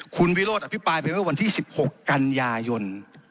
คุณวิโรธอภิปรายไปเมื่อวันที่๑๖กันยายน